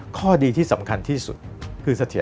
ข้อดีที่สำคัญที่สุดคือเสถียร